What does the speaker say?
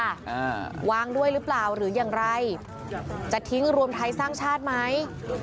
อ่าวางด้วยหรือเปล่าหรืออย่างไรจะทิ้งรวมไทยสร้างชาติไหม